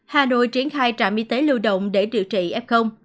hà nội triển khai trạm y tế lưu động để điều trị f